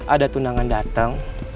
ada tunangan dateng